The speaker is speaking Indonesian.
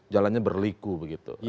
jalannya berliku begitu